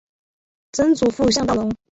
曾祖父向道隆。